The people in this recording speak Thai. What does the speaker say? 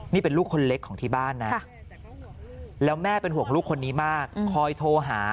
นี่เป็นลูกคนเล็กของที่บ้านนะแล้วแม่เป็นห่วงลูกคนนี้มากคอยโทรหา